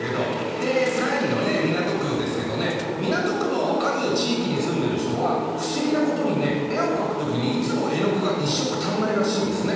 で３位の港区ですけどね港区のある地域に住んでる人は不思議なことに絵を描く時にいつも絵の具が１色足んないらしいですね。